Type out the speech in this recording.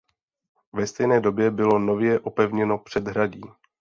Ve stejné době bylo nově opevněno předhradí.